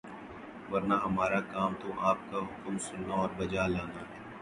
ورنہ ہمارا کام تو آپ کا حکم سننا اور بجا لانا ہے۔